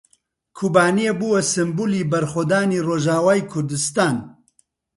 کۆبانێ بووە سمبولی بەرخۆدانی ڕۆژاوای کوردستان.